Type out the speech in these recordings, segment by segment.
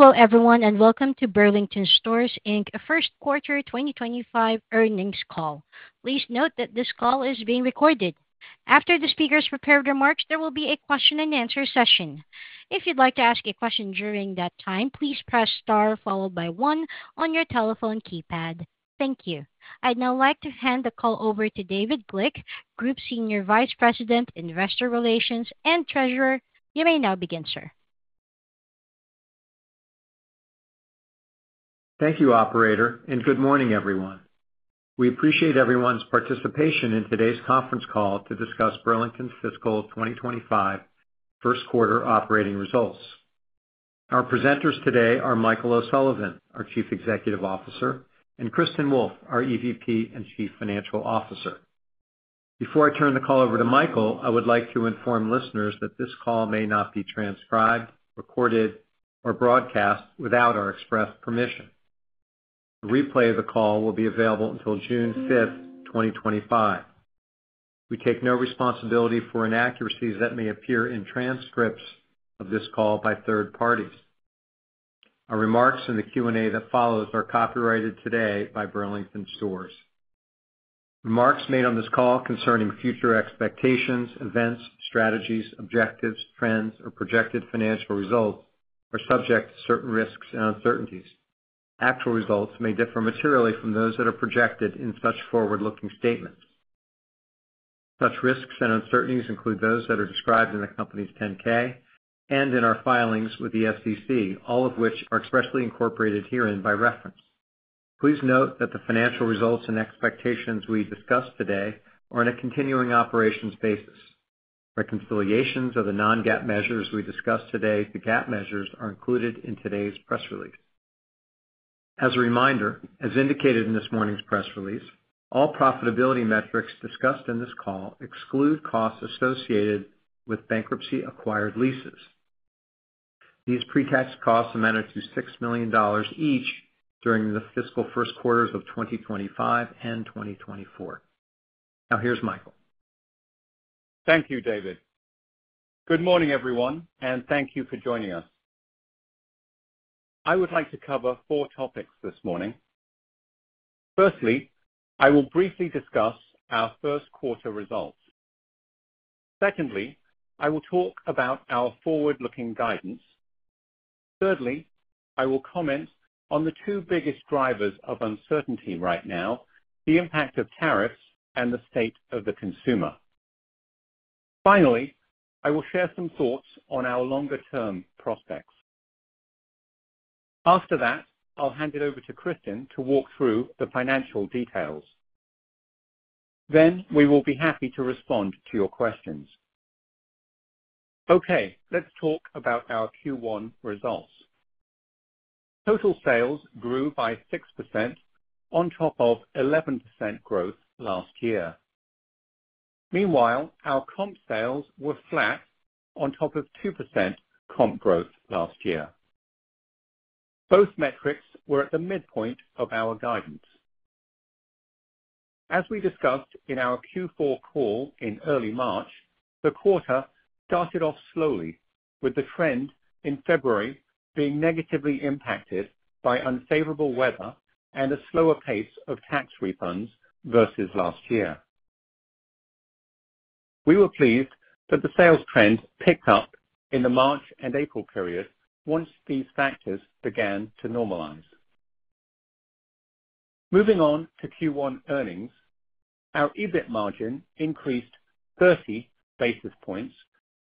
Hello everyone and welcome to Burlington Stores Inc first quarter 2025 earnings call. Please note that this call is being recorded. After the speaker's prepared remarks, there will be a question-and-answer session. If you'd like to ask a question during that time, please press star followed by one on your telephone keypad. Thank you. I'd now like to hand the call over to David Glick, Group Senior Vice President, Investor Relations, and Treasurer. You may now begin, sir. Thank you, Operator, and good morning everyone. We appreciate everyone's participation in today's conference call to discuss Burlington's fiscal 2025 first quarter operating results. Our presenters today are Michael O'Sullivan, our Chief Executive Officer, and Kristin Wolfe, our EVP and Chief Financial Officer. Before I turn the call over to Michael, I would like to inform listeners that this call may not be transcribed, recorded, or broadcast without our express permission. The replay of the call will be available until June 5th, 2025. We take no responsibility for inaccuracies that may appear in transcripts of this call by third parties. Our remarks in the Q&A that follows are copyrighted today by Burlington Stores. Remarks made on this call concerning future expectations, events, strategies, objectives, trends, or projected financial results are subject to certain risks and uncertainties. Actual results may differ materially from those that are projected in such forward-looking statements. Such risks and uncertainties include those that are described in the company's 10-K and in our filings with the SEC, all of which are expressly incorporated herein by reference. Please note that the financial results and expectations we discuss today are on a continuing operations basis. Reconciliations of the non-GAAP measures we discuss today to GAAP measures are included in today's press release. As a reminder, as indicated in this morning's press release, all profitability metrics discussed in this call exclude costs associated with bankruptcy-acquired leases. These pre-tax costs amounted to $6 million each during the fiscal first quarters of 2025 and 2024. Now, here's Michael. Thank you, David. Good morning, everyone, and thank you for joining us. I would like to cover four topics this morning. Firstly, I will briefly discuss our first quarter results. Secondly, I will talk about our forward-looking guidance. Thirdly, I will comment on the two biggest drivers of uncertainty right now: the impact of tariffs and the state of the consumer. Finally, I will share some thoughts on our longer-term prospects. After that, I'll hand it over to Kristin to walk through the financial details. Then we will be happy to respond to your questions. Okay, let's talk about our Q1 results. Total sales grew by 6% on top of 11% growth last year. Meanwhile, our comp sales were flat on top of 2% comp growth last year. Both metrics were at the midpoint of our guidance. As we discussed in our Q4 call in early March, the quarter started off slowly, with the trend in February being negatively impacted by unfavorable weather and a slower pace of tax refunds versus last year. We were pleased that the sales trend picked up in the March and April period once these factors began to normalize. Moving on to Q1 earnings, our EBIT margin increased 30 basis points,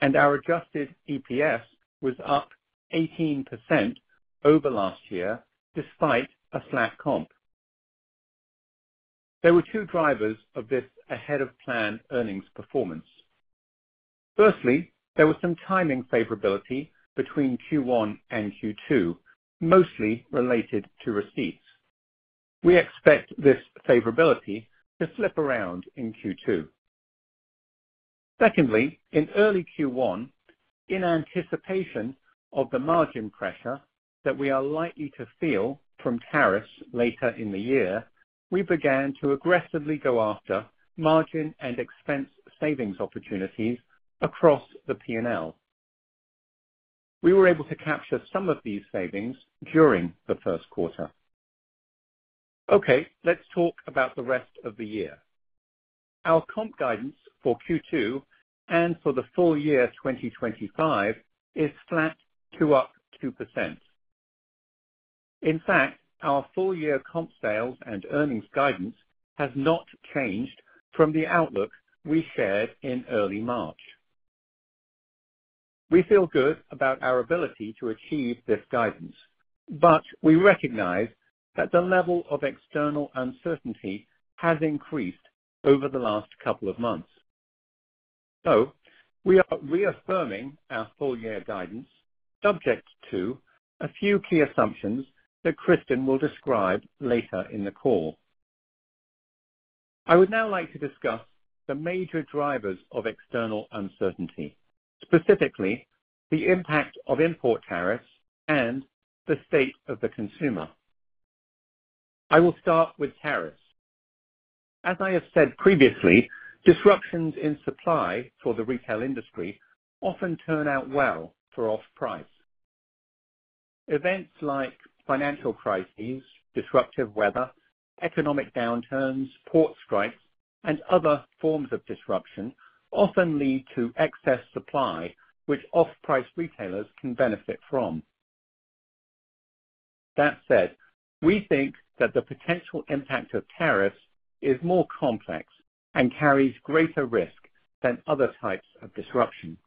and our adjusted EPS was up 18% over last year despite a flat comp. There were two drivers of this ahead-of-plan earnings performance. Firstly, there was some timing favorability between Q1 and Q2, mostly related to receipts. We expect this favorability to slip around in Q2. Secondly, in early Q1, in anticipation of the margin pressure that we are likely to feel from tariffs later in the year, we began to aggressively go after margin and expense savings opportunities across the P&L. We were able to capture some of these savings during the first quarter. Okay, let's talk about the rest of the year. Our comp guidance for Q2 and for the full year 2025 is flat to up 2%. In fact, our full year comp sales and earnings guidance has not changed from the outlook we shared in early March. We feel good about our ability to achieve this guidance, but we recognize that the level of external uncertainty has increased over the last couple of months. We are reaffirming our full year guidance subject to a few key assumptions that Kristin will describe later in the call. I would now like to discuss the major drivers of external uncertainty, specifically the impact of import tariffs and the state of the consumer. I will start with tariffs. As I have said previously, disruptions in supply for the retail industry often turn out well for off-price. Events like financial crises, disruptive weather, economic downturns, port strikes, and other forms of disruption often lead to excess supply, which off-price retailers can benefit from. That said, we think that the potential impact of tariffs is more complex and carries greater risk than other types of disruption.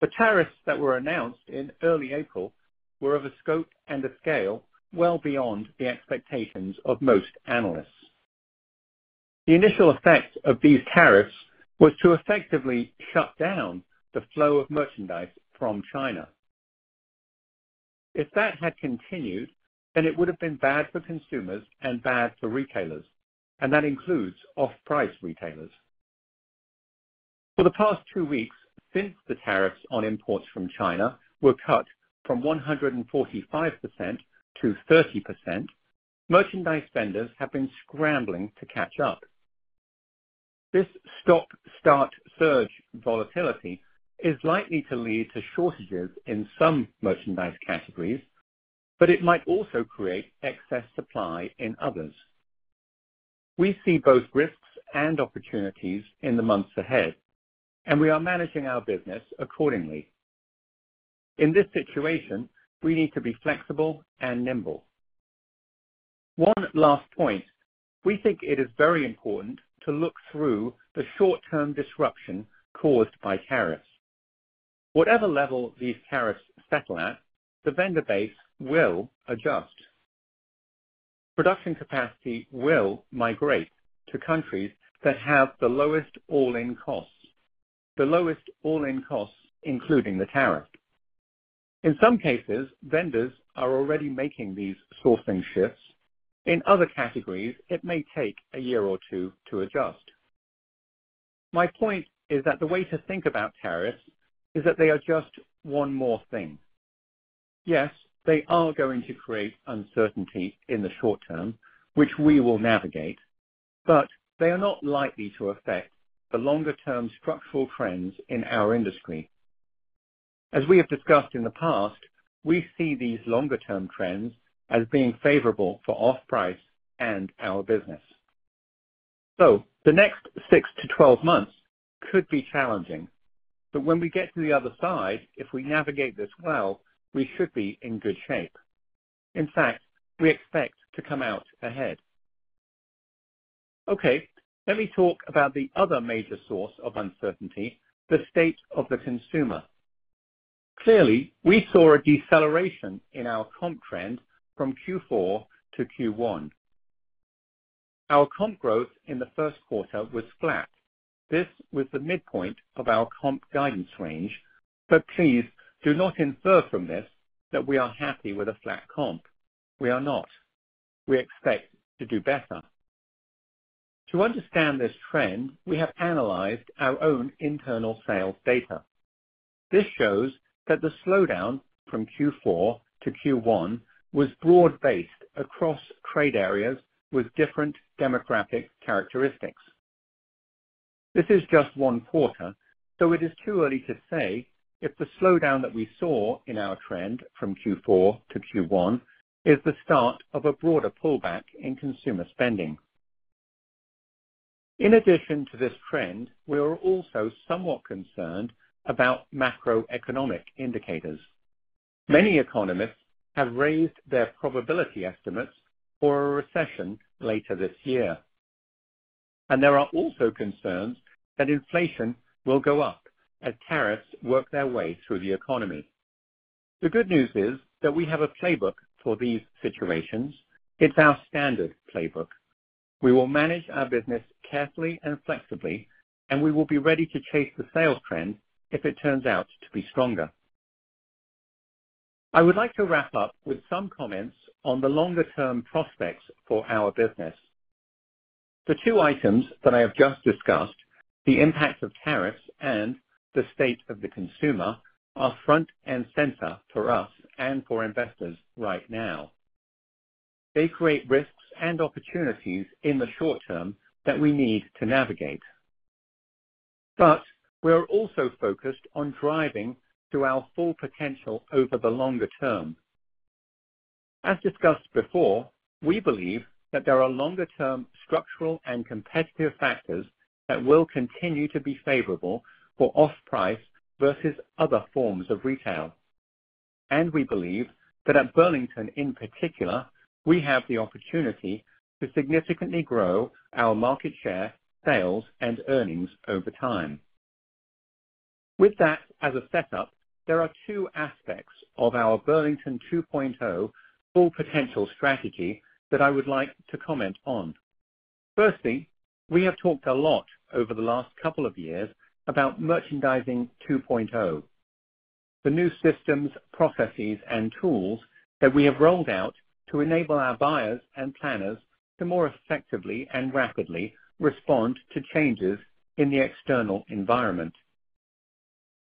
The tariffs that were announced in early April were of a scope and a scale well beyond the expectations of most analysts. The initial effect of these tariffs was to effectively shut down the flow of merchandise from China. If that had continued, then it would have been bad for consumers and bad for retailers, and that includes off-price retailers. For the past two weeks since the tariffs on imports from China were cut from 145%-30%, merchandise vendors have been scrambling to catch up. This stop-start surge volatility is likely to lead to shortages in some merchandise categories, but it might also create excess supply in others. We see both risks and opportunities in the months ahead, and we are managing our business accordingly. In this situation, we need to be flexible and nimble. One last point: we think it is very important to look through the short-term disruption caused by tariffs. Whatever level these tariffs settle at, the vendor base will adjust. Production capacity will migrate to countries that have the lowest all-in costs, the lowest all-in costs including the tariff. In some cases, vendors are already making these sourcing shifts. In other categories, it may take a year or two to adjust. My point is that the way to think about tariffs is that they are just one more thing. Yes, they are going to create uncertainty in the short term, which we will navigate, but they are not likely to affect the longer-term structural trends in our industry. As we have discussed in the past, we see these longer-term trends as being favorable for off-price and our business. The next 6-12 months could be challenging, but when we get to the other side, if we navigate this well, we should be in good shape. In fact, we expect to come out ahead. Okay, let me talk about the other major source of uncertainty: the state of the consumer. Clearly, we saw a deceleration in our comp trend from Q4 to Q1. Our comp growth in the first quarter was flat. This was the midpoint of our comp guidance range, but please do not infer from this that we are happy with a flat comp. We are not. We expect to do better. To understand this trend, we have analyzed our own internal sales data. This shows that the slowdown from Q4 to Q1 was broad-based across trade areas with different demographic characteristics. This is just one quarter, so it is too early to say if the slowdown that we saw in our trend from Q4 to Q1 is the start of a broader pullback in consumer spending. In addition to this trend, we are also somewhat concerned about macroeconomic indicators. Many economists have raised their probability estimates for a recession later this year, and there are also concerns that inflation will go up as tariffs work their way through the economy. The good news is that we have a playbook for these situations. It's our standard playbook. We will manage our business carefully and flexibly, and we will be ready to chase the sales trend if it turns out to be stronger. I would like to wrap up with some comments on the longer-term prospects for our business. The two items that I have just discussed, the impact of tariffs and the state of the consumer, are front and center for us and for investors right now. They create risks and opportunities in the short term that we need to navigate. We are also focused on driving to our full potential over the longer term. As discussed before, we believe that there are longer-term structural and competitive factors that will continue to be favorable for off-price versus other forms of retail. We believe that at Burlington in particular, we have the opportunity to significantly grow our market share, sales, and earnings over time. With that as a setup, there are two aspects of our Burlington 2.0 full potential strategy that I would like to comment on. Firstly, we have talked a lot over the last couple of years about Merchandising 2.0, the new systems, processes, and tools that we have rolled out to enable our buyers and planners to more effectively and rapidly respond to changes in the external environment.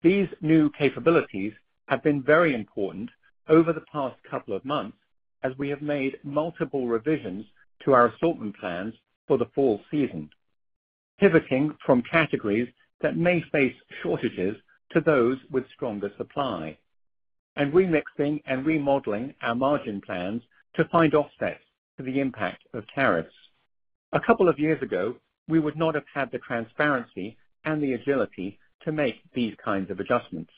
These new capabilities have been very important over the past couple of months as we have made multiple revisions to our assortment plans for the fall season, pivoting from categories that may face shortages to those with stronger supply, and remixing and remodeling our margin plans to find offsets to the impact of tariffs. A couple of years ago, we would not have had the transparency and the agility to make these kinds of adjustments.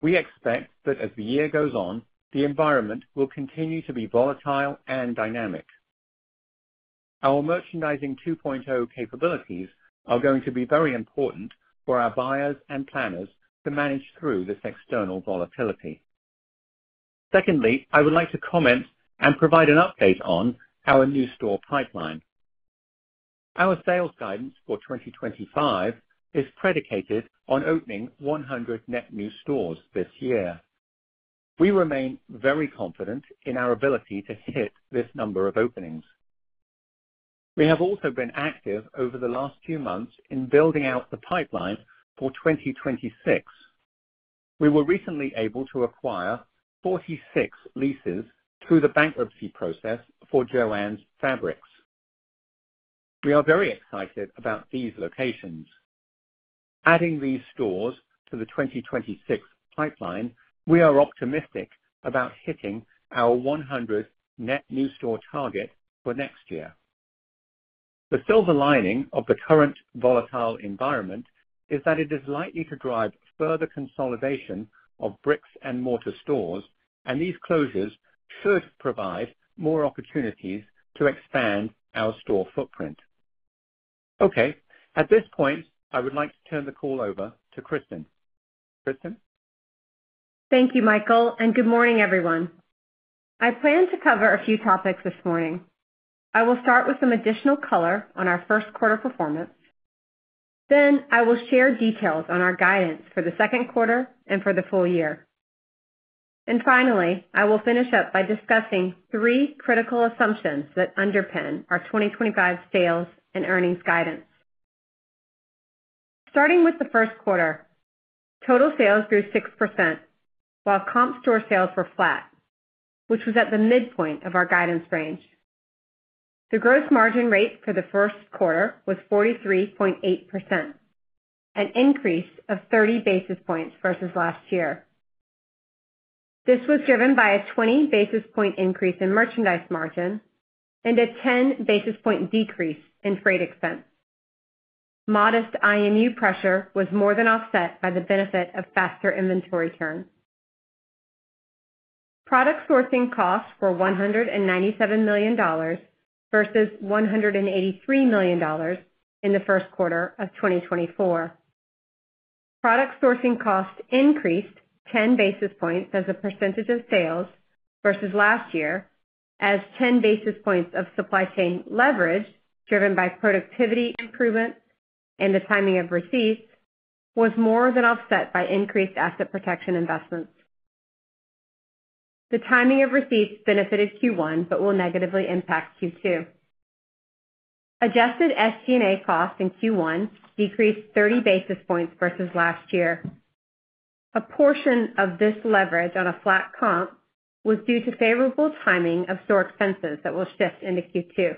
We expect that as the year goes on, the environment will continue to be volatile and dynamic. Our Merchandising 2.0 capabilities are going to be very important for our buyers and planners to manage through this external volatility. Secondly, I would like to comment and provide an update on our new store pipeline. Our sales guidance for 2025 is predicated on opening 100 net new stores this year. We remain very confident in our ability to hit this number of openings. We have also been active over the last few months in building out the pipeline for 2026. We were recently able to acquire 46 leases through the bankruptcy process for JOANN's Fabrics. We are very excited about these locations. Adding these stores to the 2026 pipeline, we are optimistic about hitting our 100 net new store target for next year. The silver lining of the current volatile environment is that it is likely to drive further consolidation of bricks and mortar stores, and these closures should provide more opportunities to expand our store footprint. Okay, at this point, I would like to turn the call over to Kristin. Kristin? Thank you, Michael, and good morning, everyone. I plan to cover a few topics this morning. I will start with some additional color on our first quarter performance. I will share details on our guidance for the second quarter and for the full year. Finally, I will finish up by discussing three critical assumptions that underpin our 2025 sales and earnings guidance. Starting with the first quarter, total sales grew 6% while comp store sales were flat, which was at the midpoint of our guidance range. The gross margin rate for the first quarter was 43.8%, an increase of 30 basis points versus last year. This was driven by a 20 basis point increase in merchandise margin and a 10 basis point decrease in freight expense. Modest IMU pressure was more than offset by the benefit of faster inventory turns. Product sourcing costs were $197 million versus $183 million in the first quarter of 2024. Product sourcing costs increased 10 basis points as a percentage of sales versus last year as 10 basis points of supply chain leverage driven by productivity improvements and the timing of receipts was more than offset by increased asset protection investments. The timing of receipts benefited Q1 but will negatively impact Q2. Adjusted SG&A costs in Q1 decreased 30 basis points versus last year. A portion of this leverage on a flat comp was due to favorable timing of SOAR expenses that will shift into Q2.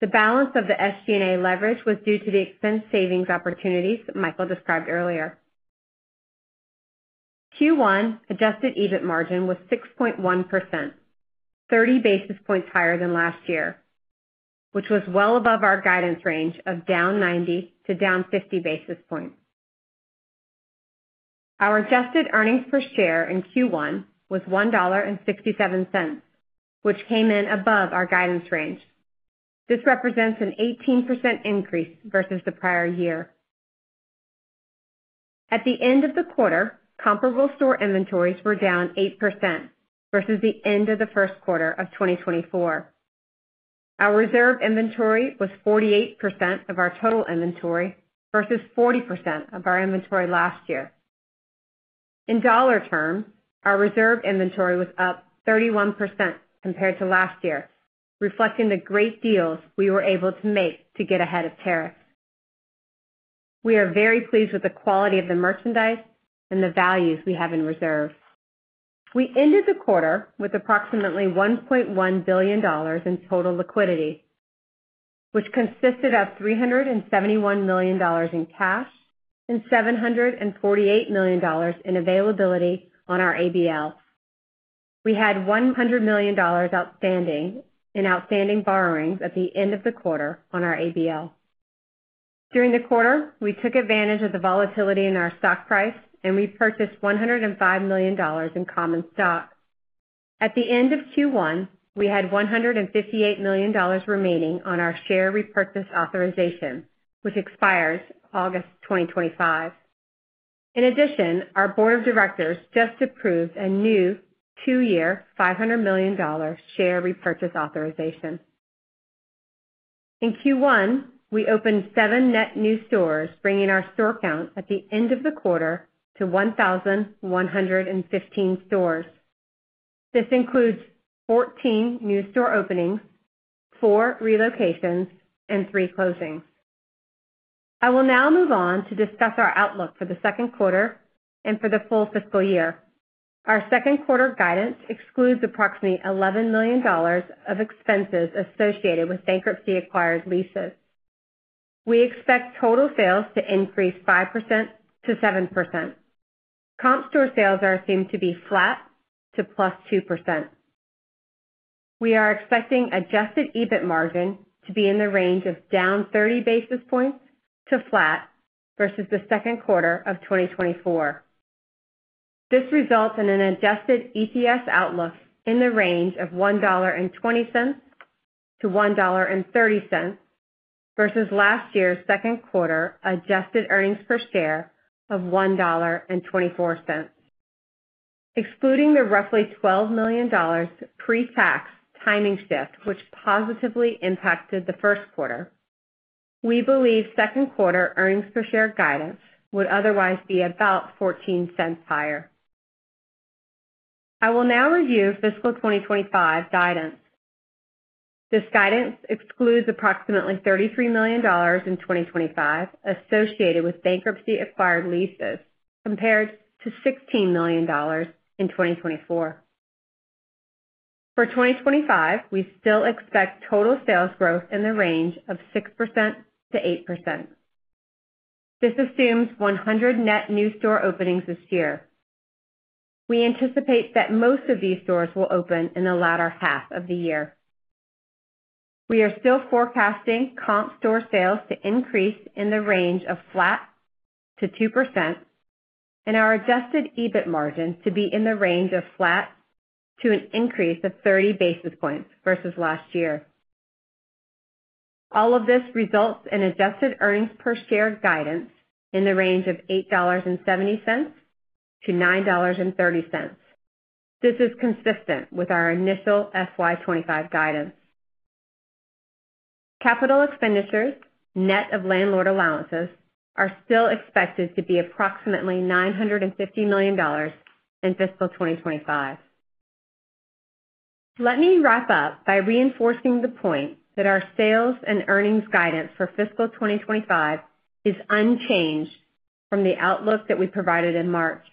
The balance of the SG&A leverage was due to the expense savings opportunities Michael described earlier. Q1 adjusted EBIT margin was 6.1%, 30 basis points higher than last year, which was well above our guidance range of down 90 to down 50 basis points. Our adjusted earnings per share in Q1 was $1.67, which came in above our guidance range. This represents an 18% increase versus the prior year. At the end of the quarter, comparable SOAR inventories were down 8% versus the end of the first quarter of 2024. Our reserve inventory was 48% of our total inventory versus 40% of our inventory last year. In dollar terms, our reserve inventory was up 31% compared to last year, reflecting the great deals we were able to make to get ahead of tariffs. We are very pleased with the quality of the merchandise and the values we have in reserve. We ended the quarter with approximately $1.1 billion in total liquidity, which consisted of $371 million in cash and $748 million in availability on our ABL. We had $100 million outstanding in borrowings at the end of the quarter on our ABL. During the quarter, we took advantage of the volatility in our stock price, and we purchased $105 million in common stock. At the end of Q1, we had $158 million remaining on our share repurchase authorization, which expires August 2025. In addition, our board of directors just approved a new two-year $500 million share repurchase authorization. In Q1, we opened seven net new stores, bringing our store count at the end of the quarter to 1,115 stores. This includes 14 new store openings, four relocations, and three closings. I will now move on to discuss our outlook for the second quarter and for the full fiscal year. Our second quarter guidance excludes approximately $11 million of expenses associated with bankruptcy-acquired leases. We expect total sales to increase 5%-7%. Comp store sales are assumed to be flat to +2%. We are expecting adjusted EBIT margin to be in the range of down 30 basis points to flat versus the second quarter of 2024. This results in an adjusted EPS outlook in the range of $1.20-$1.30 versus last year's second quarter adjusted earnings per share of $1.24. Excluding the roughly $12 million pre-tax timing shift, which positively impacted the first quarter, we believe second quarter earnings per share guidance would otherwise be about $0.14 cents higher. I will now review fiscal 2025 guidance. This guidance excludes approximately $33 million in 2025 associated with bankruptcy-acquired leases compared to $16 million in 2024. For 2025, we still expect total sales growth in the range of 6%-8%. This assumes 100 net new store openings this year. We anticipate that most of these stores will open in the latter half of the year. We are still forecasting comp store sales to increase in the range of flat to 2% and our adjusted EBIT margin to be in the range of flat to an increase of 30 basis points versus last year. All of this results in adjusted earnings per share guidance in the range of $8.70-$9.30. This is consistent with our initial FY 2025 guidance. Capital expenditures, net of landlord allowances, are still expected to be approximately $950 million in fiscal 2025. Let me wrap up by reinforcing the point that our sales and earnings guidance for fiscal 2025 is unchanged from the outlook that we provided in March.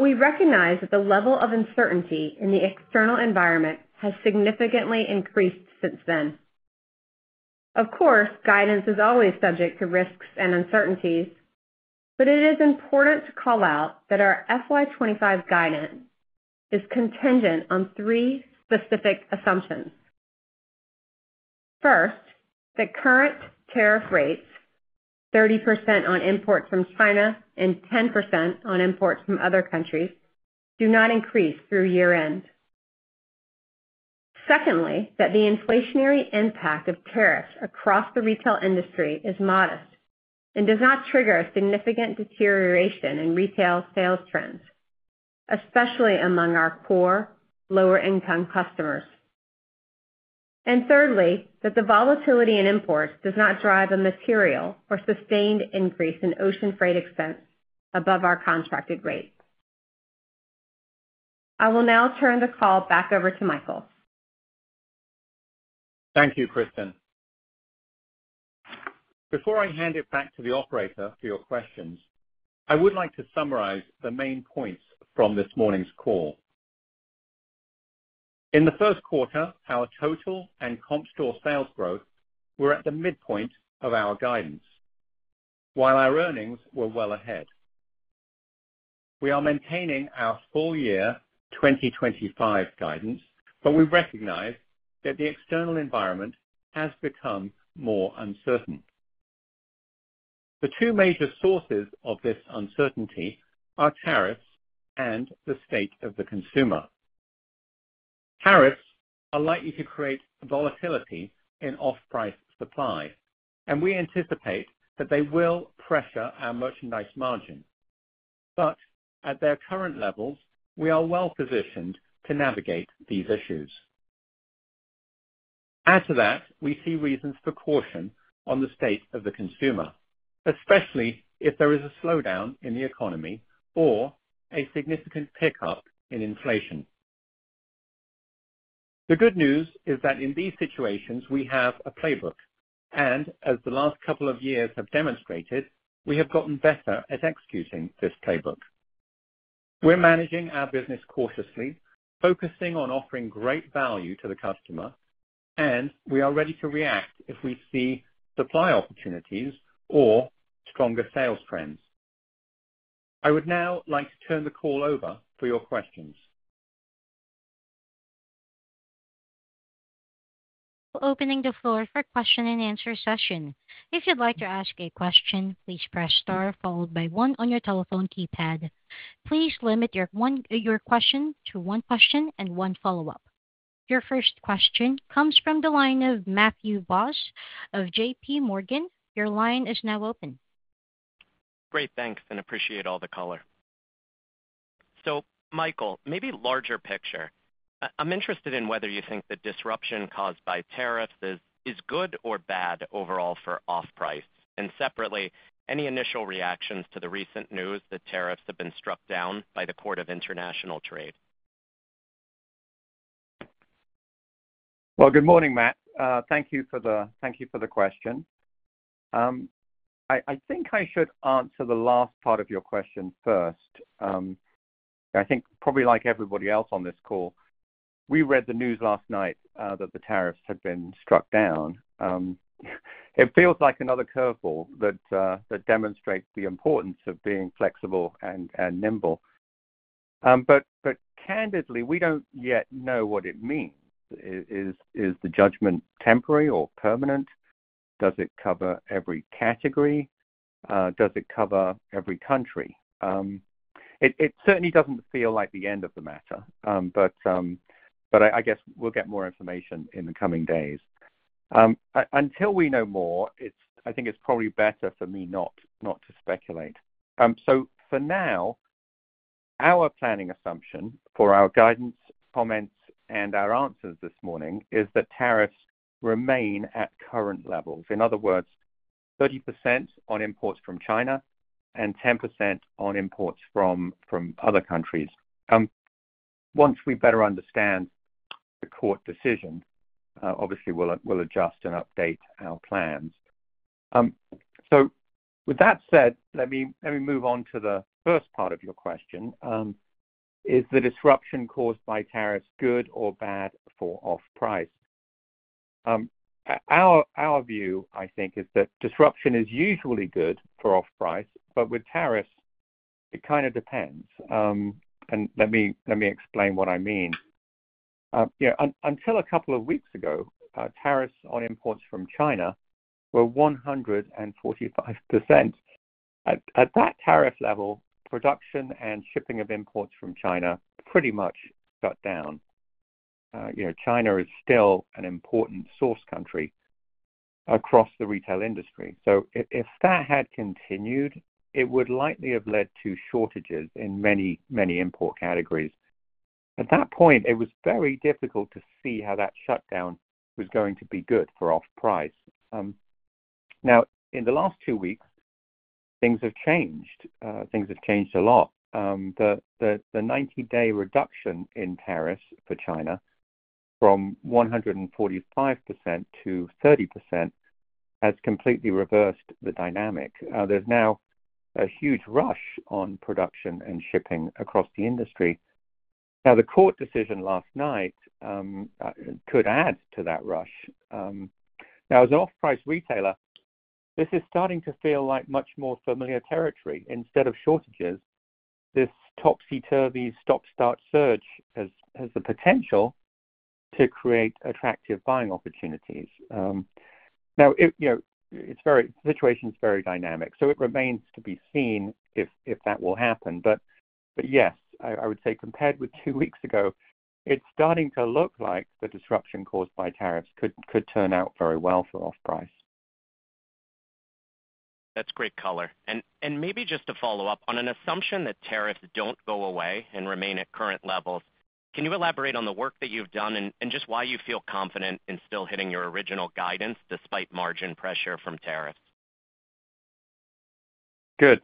We recognize that the level of uncertainty in the external environment has significantly increased since then. Of course, guidance is always subject to risks and uncertainties, but it is important to call out that our FY 2025 guidance is contingent on three specific assumptions. First, that current tariff rates, 30% on imports from China and 10% on imports from other countries, do not increase through year-end. Secondly, that the inflationary impact of tariffs across the retail industry is modest and does not trigger a significant deterioration in retail sales trends, especially among our poor, lower-income customers. Thirdly, that the volatility in imports does not drive a material or sustained increase in ocean freight expense above our contracted rates. I will now turn the call back over to Michael. Thank you, Kristin. Before I hand it back to the operator for your questions, I would like to summarize the main points from this morning's call. In the first quarter, our total and comp store sales growth were at the midpoint of our guidance, while our earnings were well ahead. We are maintaining our full year 2025 guidance, but we recognize that the external environment has become more uncertain. The two major sources of this uncertainty are tariffs and the state of the consumer. Tariffs are likely to create volatility in off-price supply, and we anticipate that they will pressure our merchandise margin. At their current levels, we are well positioned to navigate these issues. Add to that, we see reasons for caution on the state of the consumer, especially if there is a slowdown in the economy or a significant pickup in inflation. The good news is that in these situations, we have a playbook, and as the last couple of years have demonstrated, we have gotten better at executing this playbook. We're managing our business cautiously, focusing on offering great value to the customer, and we are ready to react if we see supply opportunities or stronger sales trends. I would now like to turn the call over for your questions. Opening the floor for a question-and-answer session. If you'd like to ask a question, please press star followed by one on your telephone keypad. Please limit your question to one question and one follow-up. Your first question comes from the line of Matthew Boss of JPMorgan. Your line is now open. Great, thanks, and appreciate all the color. So, Michael, maybe larger picture. I'm interested in whether you think the disruption caused by tariffs is good or bad overall for off-price, and separately, any initial reactions to the recent news that tariffs have been struck down by the Court of International Trade? Good morning, Matt. Thank you for the question. I think I should answer the last part of your question first. I think probably like everybody else on this call, we read the news last night that the tariffs had been struck down. It feels like another curveball that demonstrates the importance of being flexible and nimble. But candidly, we do not yet know what it means. Is the judgment temporary or permanent? Does it cover every category? Does it cover every country? It certainly does not feel like the end of the matter, but I guess we will get more information in the coming days. Until we know more, I think it is probably better for me not to speculate. For now, our planning assumption for our guidance, comments, and our answers this morning is that tariffs remain at current levels. In other words, 30% on imports from China and 10% on imports from other countries. Once we better understand the court decision, obviously, we'll adjust and update our plans. With that said, let me move on to the first part of your question. Is the disruption caused by tariffs good or bad for off-price? Our view, I think, is that disruption is usually good for off-price, but with tariffs, it kind of depends. Let me explain what I mean. Until a couple of weeks ago, tariffs on imports from China were 145%. At that tariff level, production and shipping of imports from China pretty much shut down. China is still an important source country across the retail industry. If that had continued, it would likely have led to shortages in many, many import categories. At that point, it was very difficult to see how that shutdown was going to be good for off-price. In the last two weeks, things have changed. Things have changed a lot. The 90-day reduction in tariffs for China from 145%-30% has completely reversed the dynamic. There's now a huge rush on production and shipping across the industry. Now, the court decision last night could add to that rush. Now, as an off-price retailer, this is starting to feel like much more familiar territory. Instead of shortages, this topsy-turvy, stop-start surge has the potential to create attractive buying opportunities. Now, the situation is very dynamic, so it remains to be seen if that will happen. Yes, I would say compared with two weeks ago, it's starting to look like the disruption caused by tariffs could turn out very well for off-price. That's great color. Maybe just to follow up on an assumption that tariffs do not go away and remain at current levels, can you elaborate on the work that you have done and just why you feel confident in still hitting your original guidance despite margin pressure from tariffs? Good.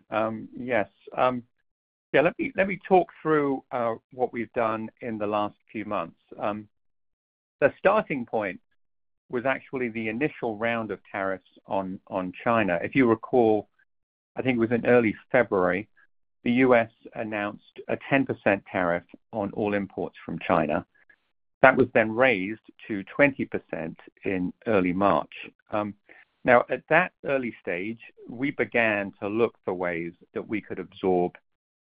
Yes. Yeah, let me talk through what we have done in the last few months. The starting point was actually the initial round of tariffs on China. If you recall, I think it was in early February, the U.S. announced a 10% tariff on all imports from China. That was then raised to 20% in early March. Now, at that early stage, we began to look for ways that we could absorb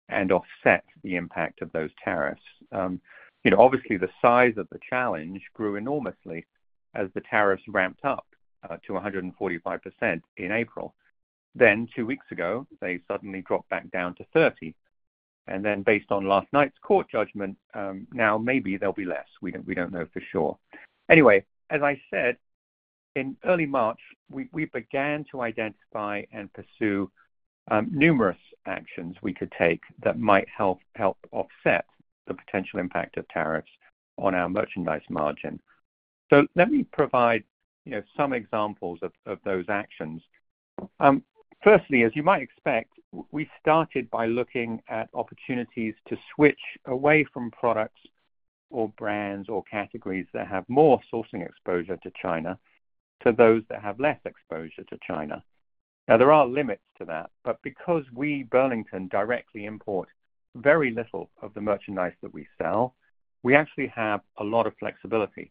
and offset the impact of those tariffs. Obviously, the size of the challenge grew enormously as the tariffs ramped up to 145% in April. Two weeks ago, they suddenly dropped back down to 30%. Based on last night's court judgment, now maybe there'll be less. We don't know for sure. Anyway, as I said, in early March, we began to identify and pursue numerous actions we could take that might help offset the potential impact of tariffs on our merchandise margin. Let me provide some examples of those actions. Firstly, as you might expect, we started by looking at opportunities to switch away from products or brands or categories that have more sourcing exposure to China to those that have less exposure to China. There are limits to that, but because we, Burlington, directly import very little of the merchandise that we sell, we actually have a lot of flexibility.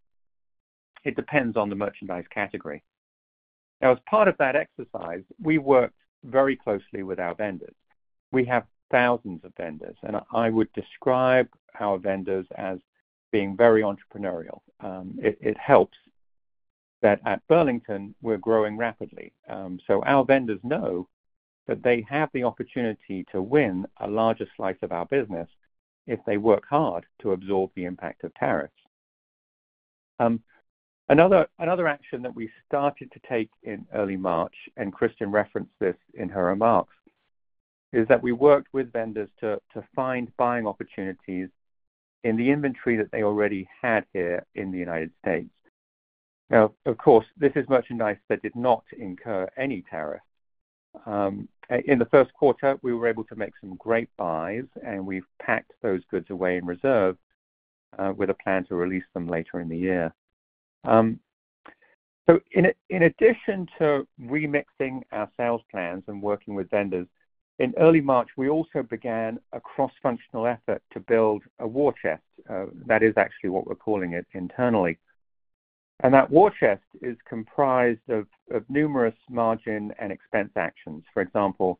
It depends on the merchandise category. As part of that exercise, we worked very closely with our vendors. We have thousands of vendors, and I would describe our vendors as being very entrepreneurial. It helps that at Burlington, we're growing rapidly. Our vendors know that they have the opportunity to win a larger slice of our business if they work hard to absorb the impact of tariffs. Another action that we started to take in early March, and Kristin referenced this in her remarks, is that we worked with vendors to find buying opportunities in the inventory that they already had here in the United States. Now, of course, this is merchandise that did not incur any tariff. In the first quarter, we were able to make some great buys, and we've packed those goods away in reserve with a plan to release them later in the year. In addition to remixing our sales plans and working with vendors, in early March, we also began a cross-functional effort to build a war chest. That is actually what we're calling it internally. That war chest is comprised of numerous margin and expense actions. For example,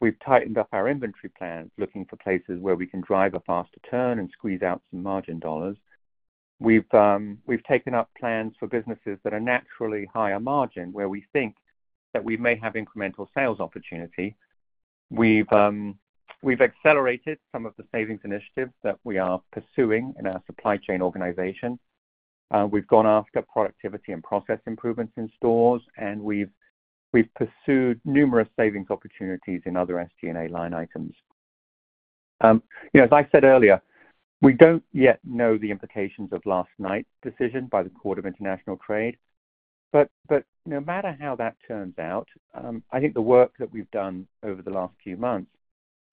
we've tightened up our inventory plans looking for places where we can drive a faster turn and squeeze out some margin dollars. We've taken up plans for businesses that are naturally higher margin where we think that we may have incremental sales opportunity. We've accelerated some of the savings initiatives that we are pursuing in our supply chain organization. We've gone after productivity and process improvements in stores, and we've pursued numerous savings opportunities in other SG&A line items. As I said earlier, we do not yet know the implications of last night's decision by the Court of International Trade. But no matter how that turns out, I think the work that we've done over the last few months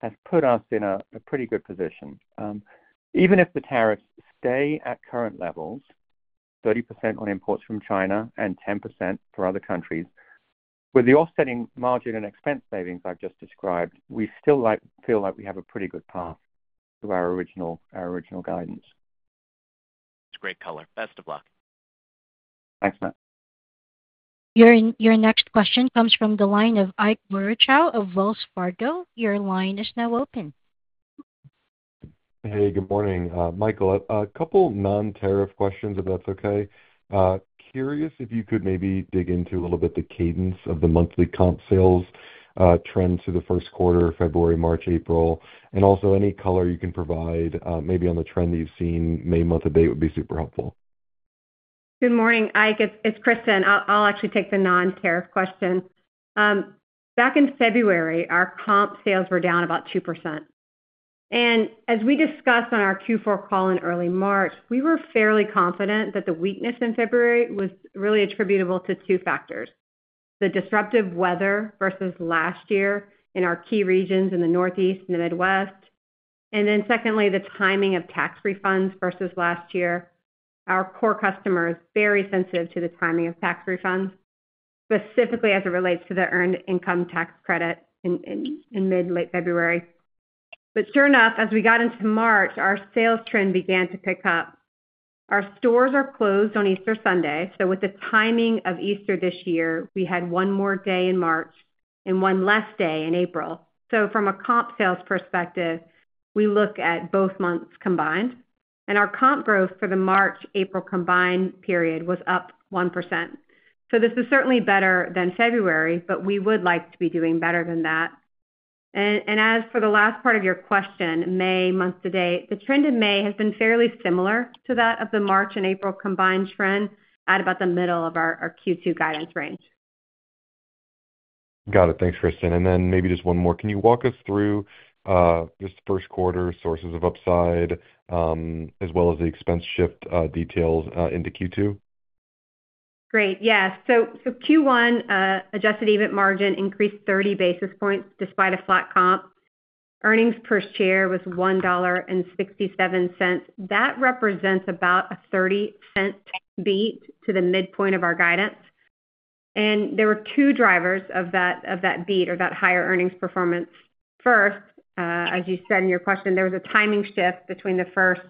has put us in a pretty good position. Even if the tariffs stay at current levels, 30% on imports from China and 10% for other countries, with the offsetting margin and expense savings I've just described, we still feel like we have a pretty good path to our original guidance. That's great color. Best of luck. Thanks, Matt. Your next question comes from the line of Ike Boruchow of Wells Fargo. Your line is now open. Hey, good morning. Michael, a couple of non-tariff questions, if that's okay. Curious if you could maybe dig into a little bit the cadence of the monthly comp sales trends through the first quarter, February, March, April. Also, any color you can provide, maybe on the trend that you've seen May month to date would be super helpful. Good morning, Ike. It's Kristin. I'll actually take the non-tariff question. Back in February, our comp sales were down about 2%. As we discussed on our Q4 call in early March, we were fairly confident that the weakness in February was really attributable to two factors: the disruptive weather versus last year in our key regions in the Northeast and the Midwest. Secondly, the timing of tax refunds versus last year. Our core customers are very sensitive to the timing of tax refunds, specifically as it relates to the earned income tax credit in mid to late February. Sure enough, as we got into March, our sales trend began to pick up. Our stores are closed on Easter Sunday. With the timing of Easter this year, we had one more day in March and one less day in April. From a comp sales perspective, we look at both months combined, and our comp growth for the March-April combined period was up 1%. This is certainly better than February, but we would like to be doing better than that. As for the last part of your question, May month to date, the trend in May has been fairly similar to that of the March and April combined trend at about the middle of our Q2 guidance range. Got it. Thanks, Kristin. Maybe just one more. Can you walk us through just the first quarter sources of upside as well as the expense shift details into Q2? Great. Yeah. Q1, adjusted EBIT margin increased 30 basis points despite a flat comp. Earnings per share was $1.67. That represents about a $0.30 beat to the midpoint of our guidance. There were two drivers of that beat or that higher earnings performance. First, as you said in your question, there was a timing shift between the first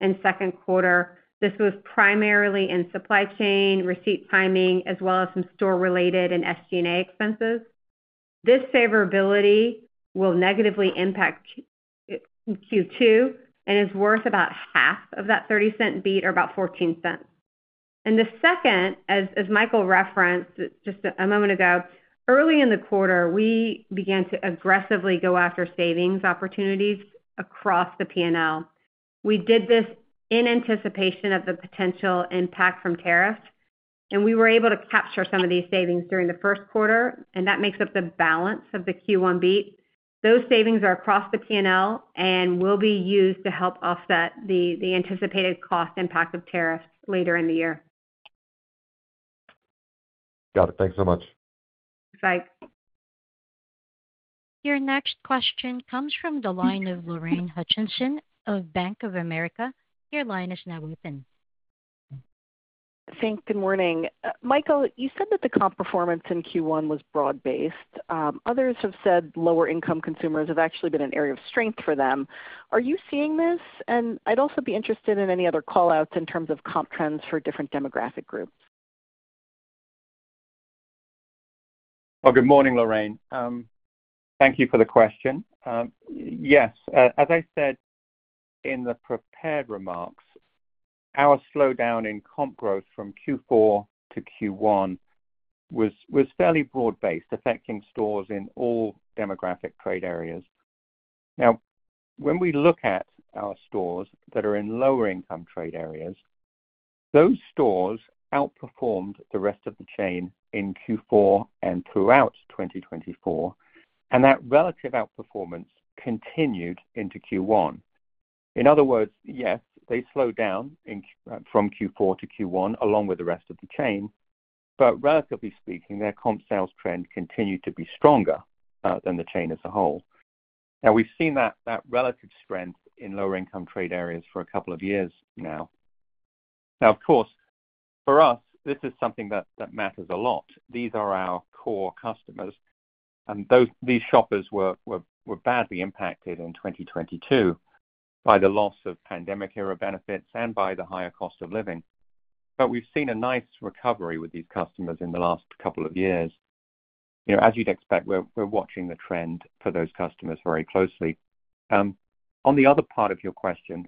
and second quarter. This was primarily in supply chain, receipt timing, as well as some store-related and SG&A expenses. This favorability will negatively impact Q2 and is worth about half of that $0.30 beat or about $0.14. The second, as Michael referenced just a moment ago, early in the quarter, we began to aggressively go after savings opportunities across the P&L. We did this in anticipation of the potential impact from tariffs, and we were able to capture some of these savings during the first quarter, and that makes up the balance of the Q1 B. Those savings are across the P&L and will be used to help offset the anticipated cost impact of tariffs later in the year. Got it. Thanks so much. Thanks, Ike. Your next question comes from the line of Lorraine Hutchinson of Bank of America. Your line is now open. Thank you. Good morning. Michael, you said that the comp performance in Q1 was broad-based. Others have said lower-income consumers have actually been an area of strength for them. Are you seeing this? I'd also be interested in any other callouts in terms of comp trends for different demographic groups. Good morning, Lorraine. Thank you for the question. Yes. As I said in the prepared remarks, our slowdown in comp growth from Q4 to Q1 was fairly broad-based, affecting stores in all demographic trade areas. Now, when we look at our stores that are in lower-income trade areas, those stores outperformed the rest of the chain in Q4 and throughout 2024, and that relative outperformance continued into Q1. In other words, yes, they slowed down from Q4 to Q1 along with the rest of the chain, but relatively speaking, their comp sales trend continued to be stronger than the chain as a whole. Now, we've seen that relative strength in lower-income trade areas for a couple of years now. Of course, for us, this is something that matters a lot. These are our core customers, and these shoppers were badly impacted in 2022 by the loss of pandemic-era benefits and by the higher cost of living. We've seen a nice recovery with these customers in the last couple of years. As you'd expect, we're watching the trend for those customers very closely. On the other part of your question,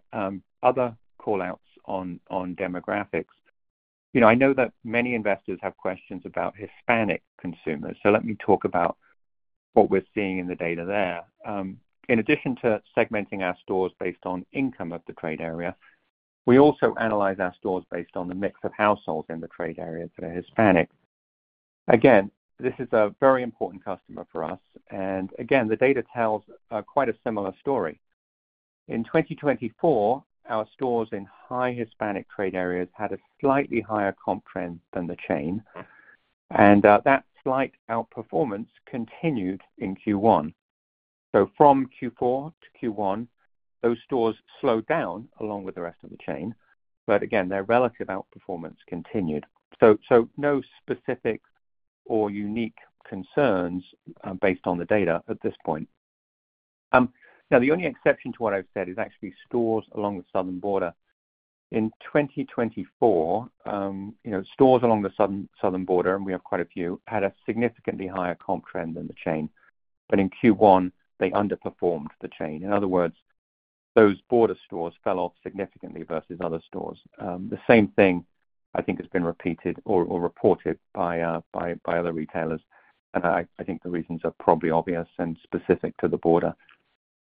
other callouts on demographics, I know that many investors have questions about Hispanic consumers. Let me talk about what we're seeing in the data there. In addition to segmenting our stores based on income of the trade area, we also analyze our stores based on the mix of households in the trade areas that are Hispanic. Again, this is a very important customer for us. Again, the data tells quite a similar story. In 2024, our stores in high Hispanic trade areas had a slightly higher comp trend than the chain, and that slight outperformance continued in Q1. From Q4 to Q1, those stores slowed down along with the rest of the chain, but again, their relative outperformance continued. No specific or unique concerns based on the data at this point. Now, the only exception to what I've said is actually stores along the southern border. In 2024, stores along the southern border, and we have quite a few, had a significantly higher comp trend than the chain. In Q1, they underperformed the chain. In other words, those border stores fell off significantly versus other stores. The same thing, I think, has been repeated or reported by other retailers. I think the reasons are probably obvious and specific to the border.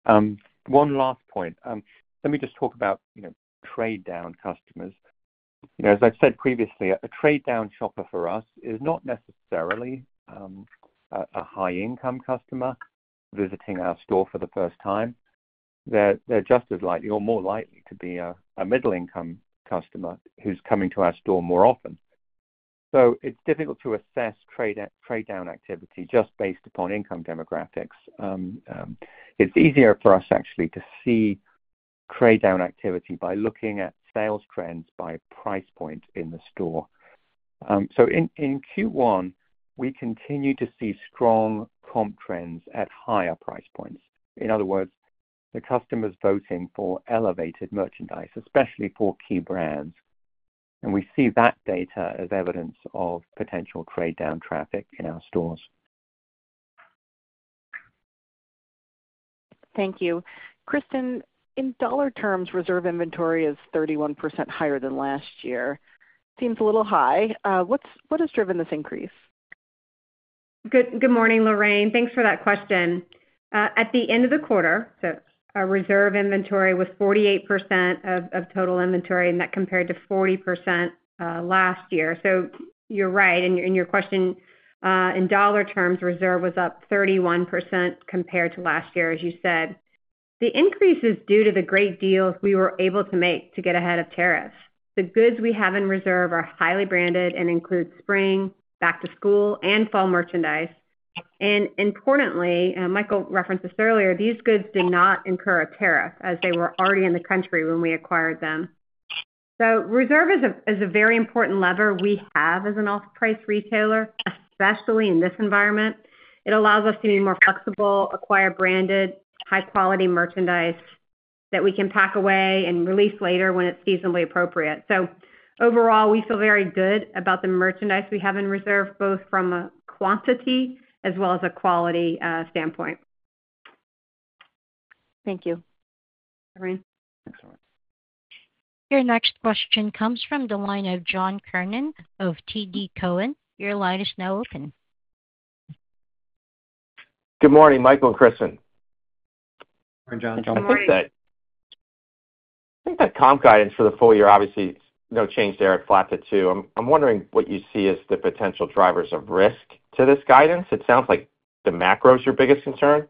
One last point. Let me just talk about trade-down customers. As I've said previously, a trade-down shopper for us is not necessarily a high-income customer visiting our store for the first time. They're just as likely or more likely to be a middle-income customer who's coming to our store more often. It's difficult to assess trade-down activity just based upon income demographics. It's easier for us actually to see trade-down activity by looking at sales trends by price point in the store. In Q1, we continue to see strong comp trends at higher price points. In other words, the customers voting for elevated merchandise, especially for key brands. We see that data as evidence of potential trade-down traffic in our stores. Thank you. Kristin, in dollar terms, reserve inventory is 31% higher than last year. Seems a little high. What has driven this increase? Good morning, Lorraine. Thanks for that question. At the end of the quarter, reserve inventory was 48% of total inventory, and that compared to 40% last year. You're right. In your question, in dollar terms, reserve was up 31% compared to last year, as you said. The increase is due to the great deals we were able to make to get ahead of tariffs. The goods we have in reserve are highly branded and include spring, back-to-school, and fall merchandise. Importantly, Michael referenced this earlier, these goods did not incur a tariff as they were already in the country when we acquired them. Reserve is a very important lever we have as an off-price retailer, especially in this environment. It allows us to be more flexible, acquire branded, high-quality merchandise that we can pack away and release later when it is seasonally appropriate. Overall, we feel very good about the merchandise we have in reserve, both from a quantity as well as a quality standpoint. Thank you. Lorraine? Excellent. Your next question comes from the line of John Kernan of TD Cowen. Your line is now open. Good morning, Michael and Kristin. Morning, John. Thanks. How's it? I think that comp guidance for the full year, obviously, no change there, flat to 2%. I'm wondering what you see as the potential drivers of risk to this guidance. It sounds like the macro is your biggest concern.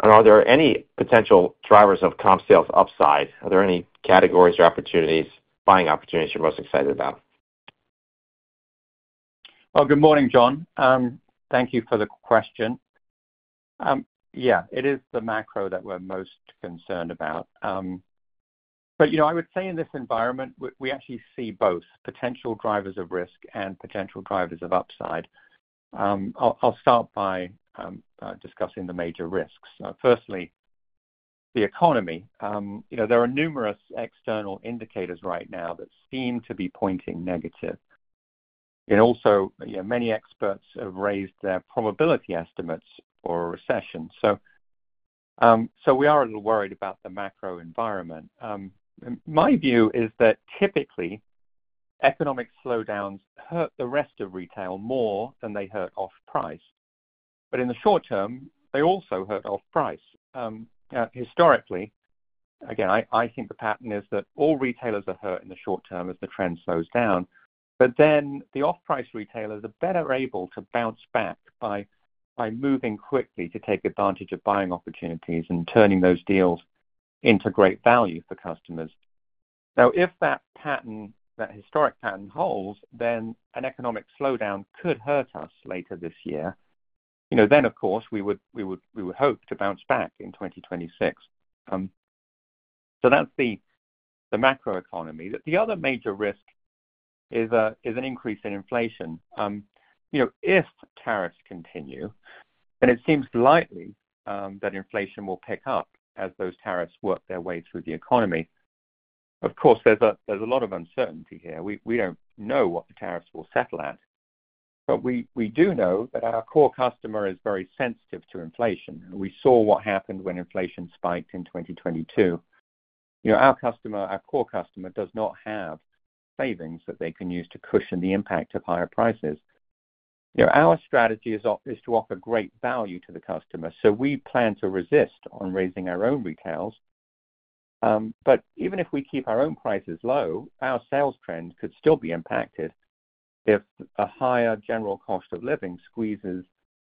Are there any potential drivers of comp sales upside? Are there any categories or buying opportunities you're most excited about? Good morning, John. Thank you for the question. Yeah, it is the macro that we're most concerned about. I would say in this environment, we actually see both potential drivers of risk and potential drivers of upside. I'll start by discussing the major risks. Firstly, the economy. There are numerous external indicators right now that seem to be pointing negative. Also, many experts have raised their probability estimates for a recession. We are a little worried about the macro environment. My view is that typically, economic slowdowns hurt the rest of retail more than they hurt off-price. In the short term, they also hurt off-price. Historically, again, I think the pattern is that all retailers are hurt in the short term as the trend slows down. Off-price retailers are better able to bounce back by moving quickly to take advantage of buying opportunities and turning those deals into great value for customers. If that historic pattern holds, an economic slowdown could hurt us later this year. Of course, we would hope to bounce back in 2026. That is the macro economy. The other major risk is an increase in inflation. If tariffs continue, it seems likely that inflation will pick up as those tariffs work their way through the economy. Of course, there is a lot of uncertainty here. We do not know what the tariffs will settle at. But we do know that our core customer is very sensitive to inflation. We saw what happened when inflation spiked in 2022. Our customer, our core customer, does not have savings that they can use to cushion the impact of higher prices. Our strategy is to offer great value to the customer. We plan to resist on raising our own retails. Even if we keep our own prices low, our sales trend could still be impacted if a higher general cost of living squeezes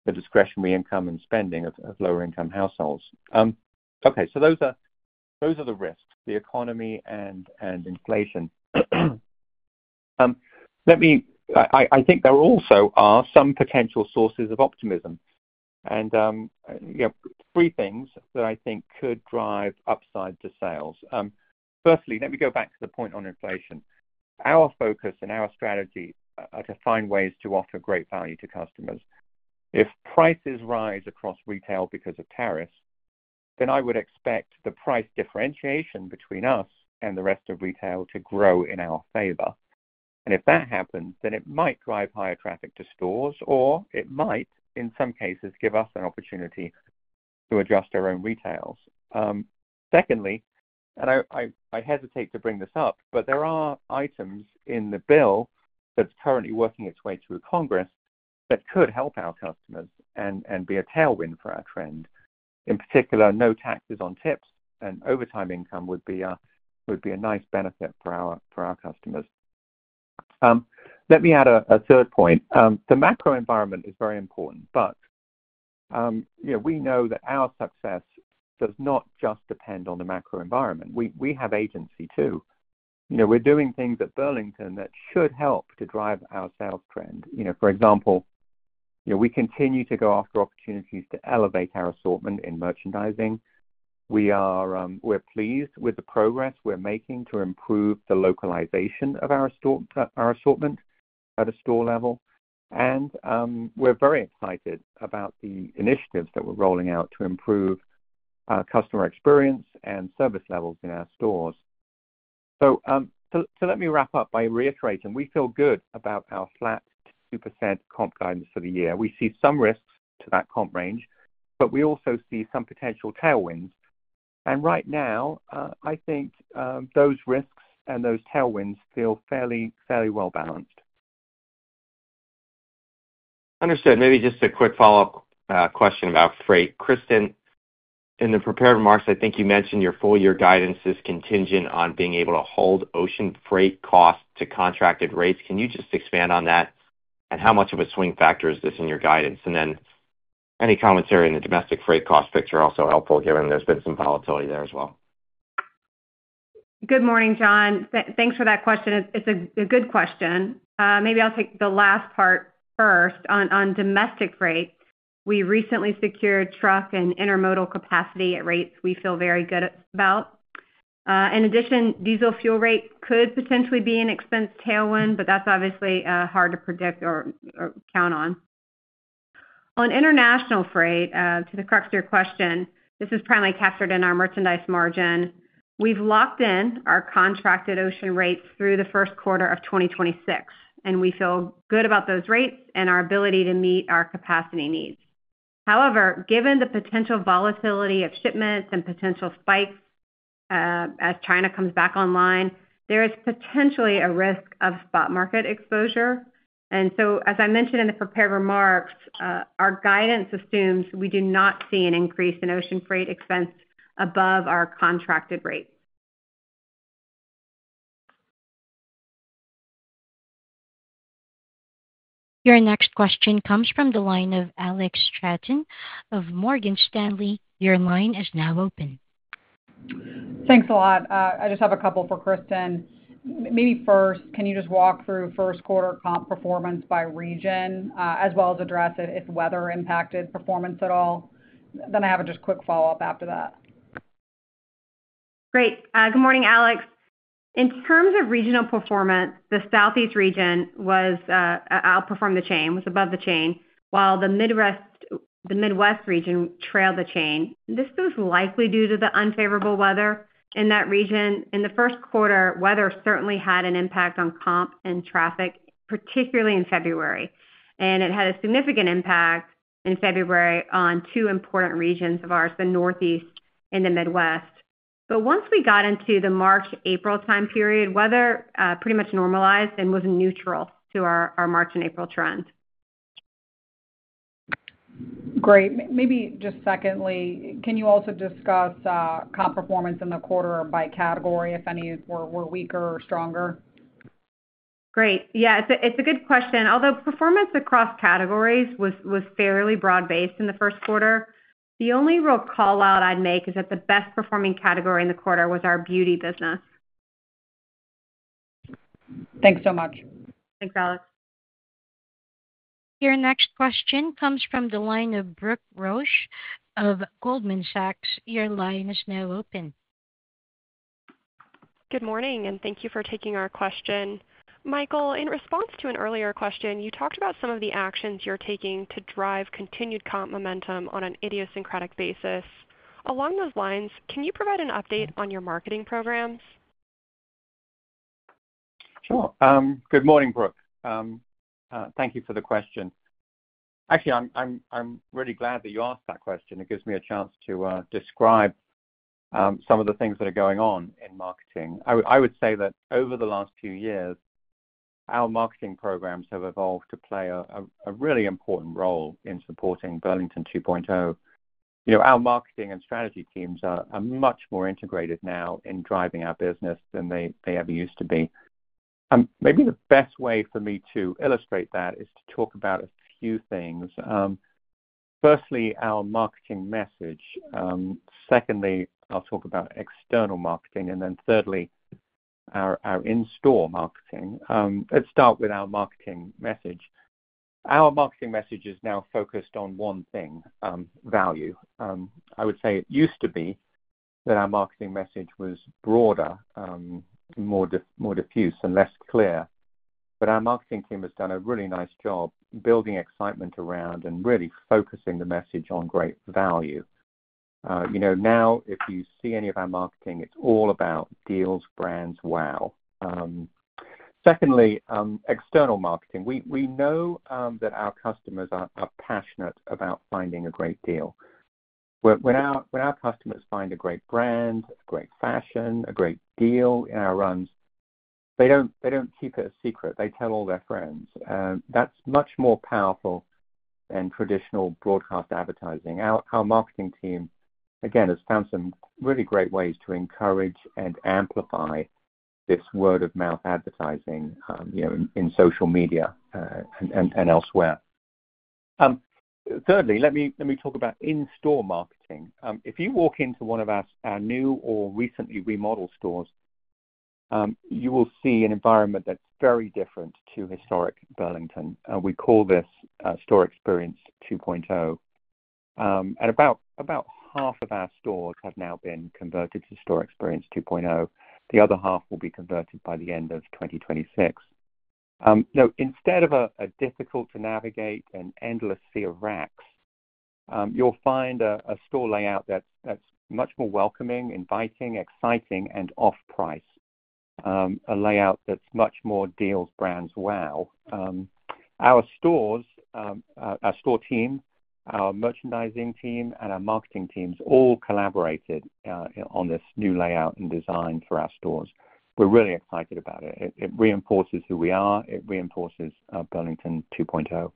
the discretionary income and spending of lower-income households. Okay. Those are the risks, the economy and inflation. I think there also are some potential sources of optimism. Three things that I think could drive upside to sales. Firstly, let me go back to the point on inflation. Our focus and our strategy are to find ways to offer great value to customers. If prices rise across retail because of tariffs, I would expect the price differentiation between us and the rest of retail to grow in our favor. If that happens, it might drive higher traffic to stores, or it might, in some cases, give us an opportunity to adjust our own retails. Secondly, I hesitate to bring this up, but there are items in the bill that is currently working its way through Congress that could help our customers and be a tailwind for our trend. In particular, no taxes on tips and overtime income would be a nice benefit for our customers. Let me add a third point. The macro environment is very important, but we know that our success does not just depend on the macro environment. We have agency too. We're doing things at Burlington that should help to drive our sales trend. For example, we continue to go after opportunities to elevate our assortment in merchandising. We're pleased with the progress we're making to improve the localization of our assortment at a store level. We're very excited about the initiatives that we're rolling out to improve customer experience and service levels in our stores. Let me wrap up by reiterating. We feel good about our flat 2% comp guidance for the year. We see some risks to that comp range, but we also see some potential tailwinds. Right now, I think those risks and those tailwinds feel fairly well-balanced. Understood. Maybe just a quick follow-up question about freight. Kristin, in the prepared remarks, I think you mentioned your full-year guidance is contingent on being able to hold ocean freight costs to contracted rates. Can you just expand on that? How much of a swing factor is this in your guidance? Any commentary on the domestic freight cost picture is also helpful, given there has been some volatility there as well. Good morning, John. Thanks for that question. It is a good question. Maybe I will take the last part first. On domestic freight, we recently secured truck and intermodal capacity at rates we feel very good about. In addition, diesel fuel rate could potentially be an expense tailwind, but that is obviously hard to predict or count on. On international freight, to the crux of your question, this is primarily captured in our merchandise margin. We have locked in our contracted ocean rates through the first quarter of 2026, and we feel good about those rates and our ability to meet our capacity needs. However, given the potential volatility of shipments and potential spikes as China comes back online, there is potentially a risk of spot market exposure. As I mentioned in the prepared remarks, our guidance assumes we do not see an increase in ocean freight expense above our contracted rate. Your next question comes from the line of Alex Straton of Morgan Stanley. Your line is now open. Thanks a lot. I just have a couple for Kristin. Maybe first, can you just walk through first-quarter comp performance by region, as well as address if weather impacted performance at all? I have just a quick follow-up after that. Great. Good morning, Alex. In terms of regional performance, the Southeast region outperformed the chain, was above the chain, while the Midwest region trailed the chain. This was likely due to the unfavorable weather in that region. In the first quarter, weather certainly had an impact on comp and traffic, particularly in February. It had a significant impact in February on two important regions of ours, the Northeast and the Midwest. Once we got into the March-April time period, weather pretty much normalized and was neutral to our March and April trend. Great. Maybe just secondly, can you also discuss comp performance in the quarter by category, if any were weaker or stronger? Great. Yeah, it's a good question. Although performance across categories was fairly broad-based in the first quarter, the only real callout I'd make is that the best-performing category in the quarter was our beauty business. Thanks so much. Thanks, Alex. Your next question comes from the line of Brooke Roach of Goldman Sachs. Your line is now open. Good morning, and thank you for taking our question. Michael, in response to an earlier question, you talked about some of the actions you're taking to drive continued comp momentum on an idiosyncratic basis. Along those lines, can you provide an update on your marketing programs? Sure. Good morning, Brooke. Thank you for the question. Actually, I'm really glad that you asked that question. It gives me a chance to describe some of the things that are going on in marketing. I would say that over the last few years, our marketing programs have evolved to play a really important role in supporting Burlington 2.0. Our marketing and strategy teams are much more integrated now in driving our business than they ever used to be. Maybe the best way for me to illustrate that is to talk about a few things. Firstly, our marketing message. Secondly, I'll talk about external marketing. And then thirdly, our in-store marketing. Let's start with our marketing message. Our marketing message is now focused on one thing: value. I would say it used to be that our marketing message was broader, more diffuse, and less clear. Our marketing team has done a really nice job building excitement around and really focusing the message on great value. Now, if you see any of our marketing, it's all about deals, brands, wow. Secondly, external marketing. We know that our customers are passionate about finding a great deal. When our customers find a great brand, a great fashion, a great deal in our runs, they don't keep it a secret. They tell all their friends. That's much more powerful than traditional broadcast advertising. Our marketing team, again, has found some really great ways to encourage and amplify this word-of-mouth advertising in social media and elsewhere. Thirdly, let me talk about in-store marketing. If you walk into one of our new or recently remodeled stores, you will see an environment that's very different to historic Burlington. We call this Store Experience 2.0. About half of our stores have now been converted to Store Experience 2.0. The other half will be converted by the end of 2026. Now, instead of a difficult-to-navigate and endless sea of racks, you'll find a store layout that's much more welcoming, inviting, exciting, and off-price. A layout that's much more deals, brands, wow. Our stores, our store team, our merchandising team, and our marketing teams all collaborated on this new layout and design for our stores. We're really excited about it. It reinforces who we are. It reinforces Burlington 2.0.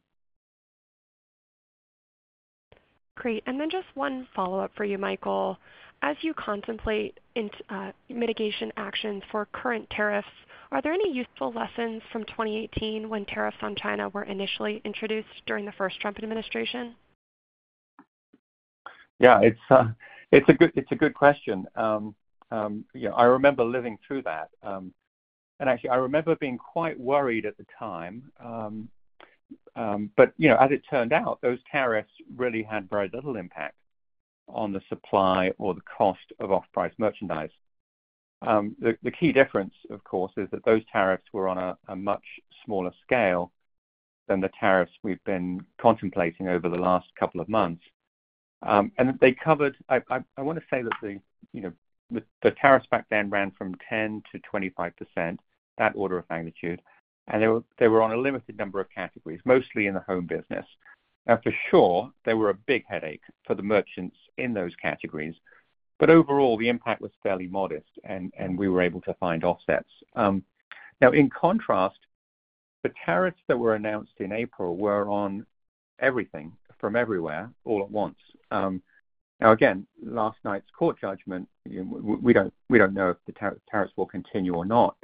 Great. Just one follow-up for you, Michael. As you contemplate mitigation actions for current tariffs, are there any useful lessons from 2018 when tariffs on China were initially introduced during the first Trump administration? Yeah. It's a good question. I remember living through that. I remember being quite worried at the time. As it turned out, those tariffs really had very little impact on the supply or the cost of off-price merchandise. The key difference, of course, is that those tariffs were on a much smaller scale than the tariffs we have been contemplating over the last couple of months. They covered—I want to say that the tariffs back then ran from 10%-25%, that order of magnitude. They were on a limited number of categories, mostly in the home business. For sure, they were a big headache for the merchants in those categories. Overall, the impact was fairly modest, and we were able to find offsets. In contrast, the tariffs that were announced in April were on everything from everywhere all at once. Again, last night's court judgment, we do not know if the tariffs will continue or not.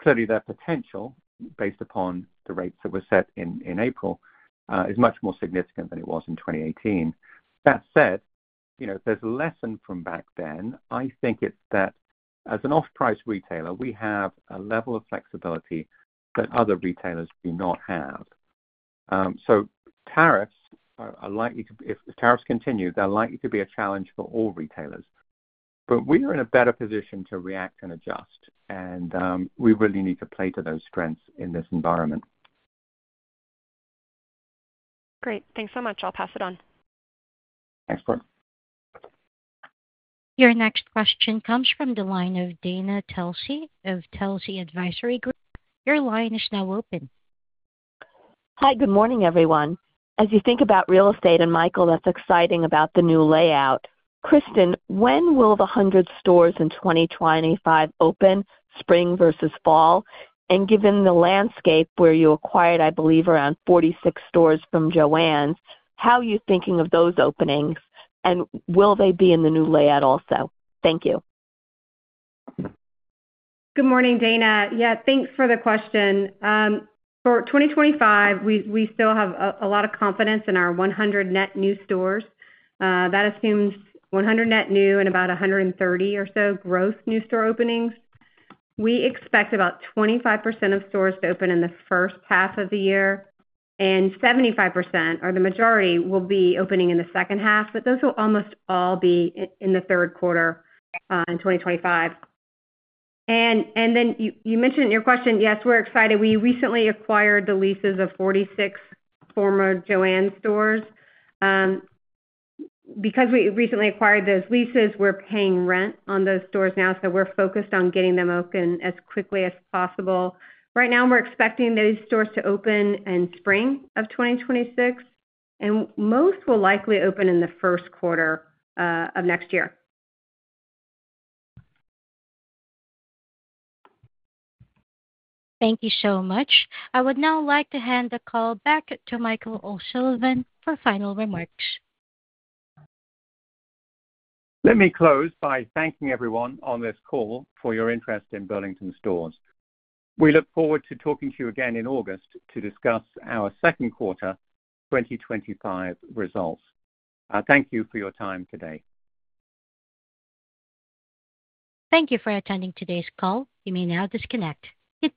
Clearly, their potential, based upon the rates that were set in April, is much more significant than it was in 2018. That said, if there is a lesson from back then, I think it is that as an off-price retailer, we have a level of flexibility that other retailers do not have. Tariffs are likely to—if tariffs continue, they are likely to be a challenge for all retailers. We are in a better position to react and adjust. We really need to play to those strengths in this environment. Great. Thanks so much. I'll pass it on. Excellent. Your next question comes from the line of Dana Telsey of Telsey Advisory Group. Your line is now open. Hi. Good morning, everyone. As you think about real estate and Michael, that is exciting about the new layout, Kristin, when will the 100 stores in 2025 open? Spring versus fall. Given the landscape where you acquired, I believe, around 46 stores from JOANN's, how are you thinking of those openings? Will they be in the new layout also? Thank you. Good morning, Dana. Yeah, thanks for the question. For 2025, we still have a lot of confidence in our 100 net new stores. That assumes 100 net new and about 130 or so gross new store openings. We expect about 25% of stores to open in the first half of the year. 75%, or the majority, will be opening in the second half. Those will almost all be in the third quarter in 2025. You mentioned in your question, yes, we're excited. We recently acquired the leases of 46 former JOANN's stores. Because we recently acquired those leases, we're paying rent on those stores now. We're focused on getting them open as quickly as possible. Right now, we're expecting those stores to open in spring of 2026. Most will likely open in the first quarter of next year. Thank you so much. I would now like to hand the call back to Michael O'Sullivan for final remarks. Let me close by thanking everyone on this call for your interest in Burlington Stores. We look forward to talking to you again in August to discuss our second quarter 2025 results. Thank you for your time today. Thank you for attending today's call. You may now disconnect. Good.